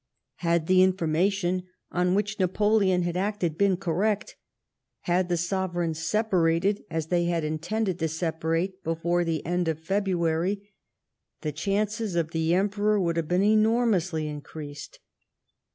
Had the information on which Napoleon had acted been correct ; had the sover eigns separated, as they had intended to separate, before the end of February ; the chances of the Emperor would have been enormously increased.